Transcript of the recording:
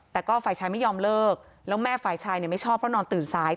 แต่ก็ฝ่ายชายไม่ยอมเลิกแล้วแม่ฝ่ายชายไม่ชอบเพราะนอนตื่นซ้าย